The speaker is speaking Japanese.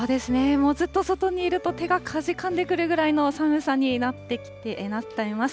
もうずっと外にいると、手がかじかんでくるぐらいの寒さになっています。